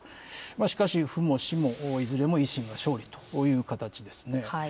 しかし、府も市も、いずれも維新の勝利という形ですね。